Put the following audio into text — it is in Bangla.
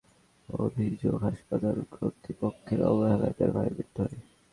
আবুলের ভাই মুহাম্মদ সারাহর অভিযোগ, হাসপাতাল কর্তৃপক্ষের অবহেলায় তাঁর ভাইয়ের মৃত্যু হয়।